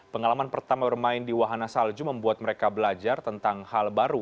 pengalaman pertama bermain di wahana salju membuat mereka belajar tentang hal baru